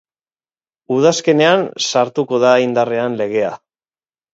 Udazkenean sartuko da indarrean legea.